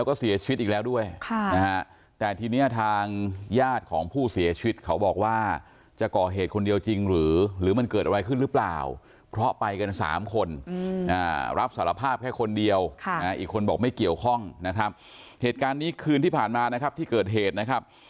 ก็ยิงสัดตู้มเข้าไปเลยโดนเพื่อนฮะ